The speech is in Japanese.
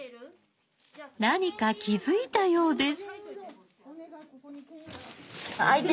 何か気づいたようです。